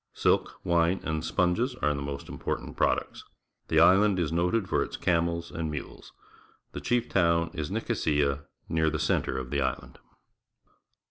Silk, wine, and sponges are the most important products. The island is noted for its camels and mules. The chief town is Nicosia, near the centre of the island.